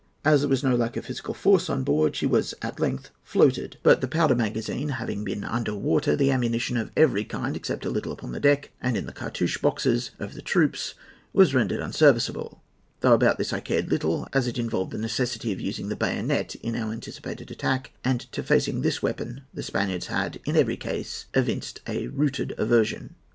As there was no lack of physical force on board, she was at length floated; but the powder magazine having been under water, the ammunition of every kind, except a little upon deck and in the cartouche boxes of the troops, was rendered unserviceable; though about this I cared little, as it involved the necessity of using the bayonet in our anticipated attack; and to facing this weapon the Spaniards had, in every case, evinced a rooted aversion."